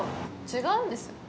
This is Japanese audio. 違うんです。